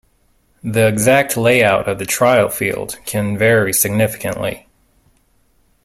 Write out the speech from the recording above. The exact layout of the trial field can vary significantly.